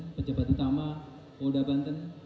bapak kabit humas polda banten